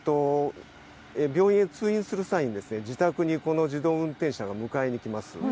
病院へ通院する際に自宅にこの自動運転車が迎えに行きます。